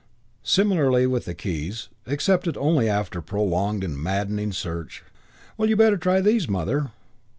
Similarly with the keys, accepted only after prolonged and maddening search. "Well, you'd better try these, Mother."